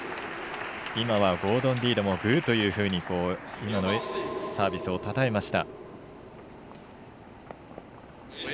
今はゴードン・リードもグーというふうに今のサービスをたたえました。